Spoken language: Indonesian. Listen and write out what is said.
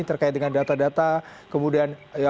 terkait dengan data data kemudian